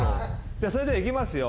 じゃあそれではいきますよ。